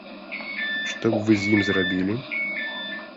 Што б вы з ім зрабілі?